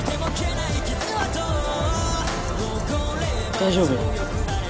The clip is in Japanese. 大丈夫？